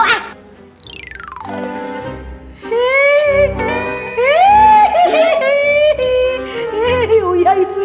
oh ya saudah keluar